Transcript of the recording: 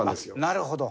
なるほど。